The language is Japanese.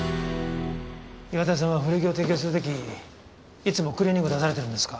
岩田さんは古着を提供する時いつもクリーニング出されてるんですか？